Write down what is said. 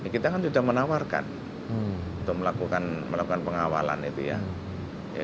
kita kan sudah menawarkan untuk melakukan pengawalan itu ya